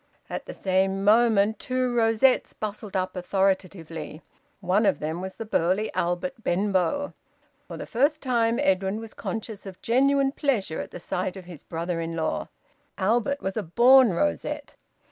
At the same moment two rosettes bustled up authoritatively. One of them was the burly Albert Benbow. For the first time Edwin was conscious of genuine pleasure at the sight of his brother in law. Albert was a born rosette.